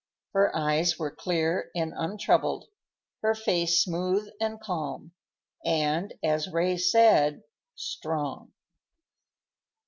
Her eyes were clear and untroubled; her face smooth and calm, and, as Ray said, "strong."